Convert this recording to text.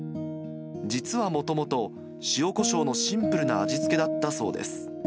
実はもともと塩こしょうのシンプルな味付けだったそうです。